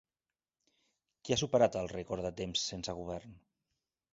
Qui ha superat el rècord de temps sense govern?